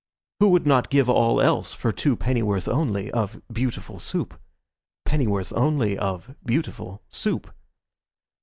Who would not give all else for two Pennyworth only of Beautiful Soup? Pennyworth only of beautiful Soup?